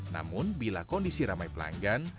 namun bila kondisi ramai pelanggan